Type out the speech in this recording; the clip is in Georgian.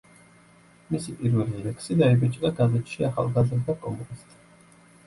მისი პირველი ლექსი დაიბეჭდა გაზეთში „ახალგაზრდა კომუნისტი“.